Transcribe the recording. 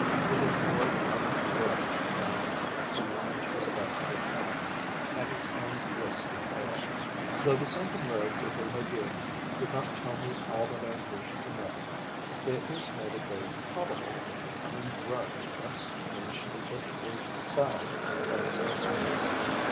It is for the young grub now to manage as best it can at its own risk and peril. Though the sunken roads of the Legue did not tell me all that I wished to know, they at least made it very probable that the coming grub must reach the victualled cell by its own efforts.